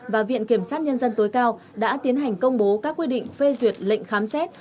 và viện kiểm sát nhân dân tối cao đã tiến hành công bố các quy định phê duyệt lệnh khám xét